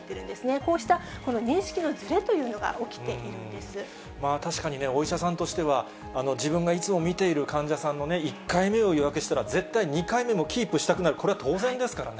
こうした認識のずれというのが起確かにね、お医者さんとしては、自分がいつも診ている患者さんの１回目を予約したら、絶対２回目もキープしたくなる、これは当然ですからね。